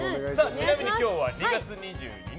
ちなみに今日は２月２２日。